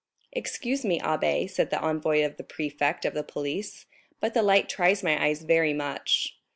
"Excuse me, abbé," said the envoy of the prefect of the police, "but the light tries my eyes very much."